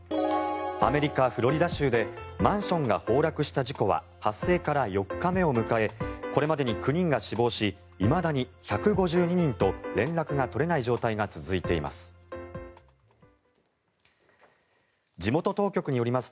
アメリカ・フロリダ州でマンションが崩落した事故は発生から４日目を迎えこれまでに９人が死亡しいまだに１５２人と連絡が取れない状態が続いています。